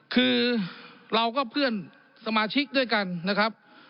คือเราก็เพื่อนสมาชิกด้วยกันนะครับ